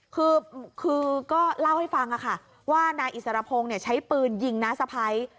คือก็เล่าให้ฟังค่ะว่านายอิสรพงศ์ใช้ปืนยิงน้าสะพ้าย